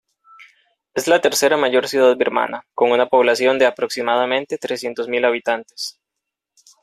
Es la tercera mayor ciudad birmana, con una población de aproximadamente trescientos mil habitantes.